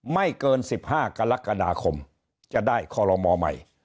ไม่เกิน๑๕กรกฎาคมจะได้คอลโลมอใหม่